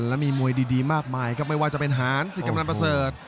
และมีมวยดีมากมายครับไม่ว่าจะเป็นหารสิทธิกำลังประเสริฐ